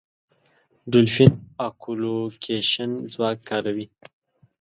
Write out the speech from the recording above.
ډولفین اکولوکېشن ځواک کاروي.